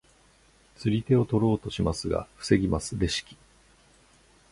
釣り手を取ろうとしますが防ぎますレシキ。